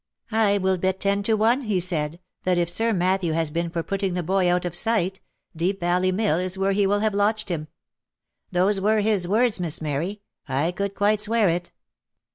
' I will bet ten to one,' he said, ' that if Sir Mat thew has been for putting the boy out of sight, Deep Valley Mill is where he will have lodged him.' Those were his words, Miss Mary — I could quite swear it."